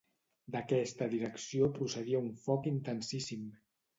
D'aquesta direcció procedia un foc intensíssim